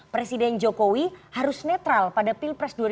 presiden jokowi harus netral pada pilpres dua ribu dua puluh empat